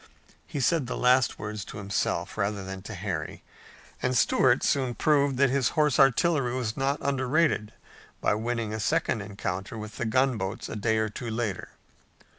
He said the last words to himself, rather than to Harry, and Stuart soon proved that his horse artillery was not underrated by winning a second encounter with the gunboats a day or two later.